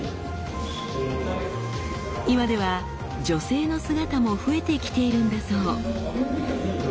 今では女性の姿も増えてきているんだそう。